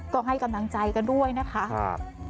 ก็ให้กำลังใจกันด้วยนะคะ